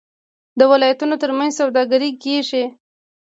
د ولایتونو ترمنځ سوداګري کیږي.